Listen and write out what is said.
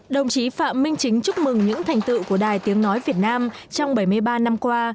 đồng chí phạm minh chính chúc mừng những thành tựu của đài tiếng nói việt nam trong bảy mươi ba năm qua